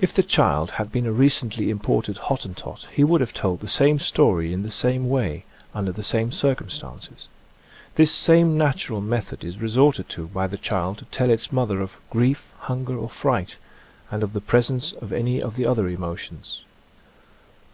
If the child had been a recently imported Hottentot he would have told the same story in the same way, under the same circumstances. This same natural method is resorted to by the child to tell its mother of grief, hunger or fright, and of the pres ence of any of the other emotions.